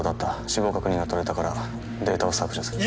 死亡確認が取れたからデータを削除する。